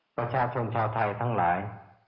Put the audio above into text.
ประชาชนชาวไทยทั้งหลาย